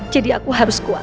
jadi aku harus kuat